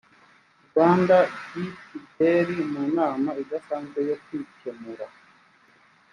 rwanda epdr mu nama idasanzwe yokwikemura